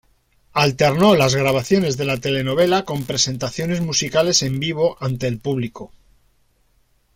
Alternó las grabaciones de la telenovela con presentaciones musicales en vivo ante el público.